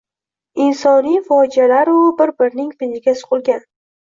Insoniy fojealaru bir-birining pinjiga suqilgan.